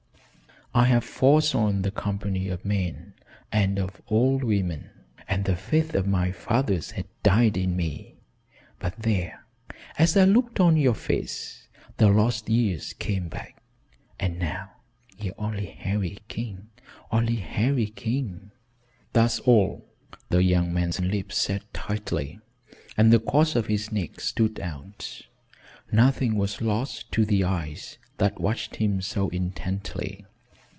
I had forsworn the company of men, and of all women, and the faith of my fathers had died in me, but there, as I looked on your face the lost years came back. And now ye're only Harry King. Only Harry King." "That's all." The young man's lips set tightly and the cords of his neck stood out. Nothing was lost to the eyes that watched him so intently.